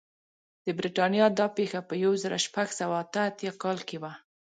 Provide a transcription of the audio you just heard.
د برېټانیا دا پېښه په یو زرو شپږ سوه اته اتیا کال کې وه.